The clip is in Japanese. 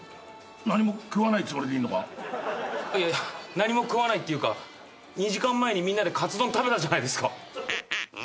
何も食わないつもりでいんのか⁉何も食わないっていうか２時間前にみんなでかつ丼食べたじゃないですか。